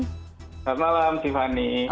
selamat malam tiffany